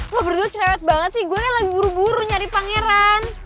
lu berdua cewek banget sih gue kan lagi buru buru nyari pangeran